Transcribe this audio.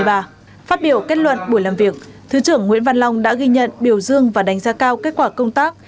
phát biểu kết luận buổi làm việc thứ trưởng nguyễn văn long đã ghi nhận biểu dương và đánh giá cao kết quả công tác